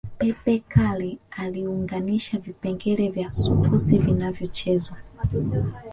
Pepe Kalle aliunganisha vipengele vya sukusi vilivyochezwa